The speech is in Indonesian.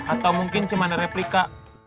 atau mungkin cimande replika